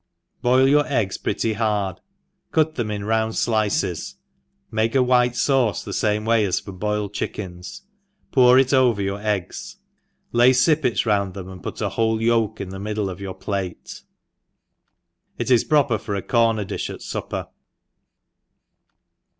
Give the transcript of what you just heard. BOIL your eggs pretty hard, cut them in round flices, make a white fauce the Tame way as for boiled chickens, pour it over your eggs, lay iippets round them, and put a whole yolk in the middle of jrour plate, — It is proper for a corner difh at fupper.